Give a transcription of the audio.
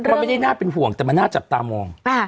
มันไม่ได้น่าเป็นห่วงแต่มันน่าจับตามอง